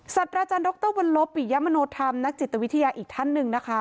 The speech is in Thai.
อาจารย์ดรวรลบปิยมโนธรรมนักจิตวิทยาอีกท่านหนึ่งนะคะ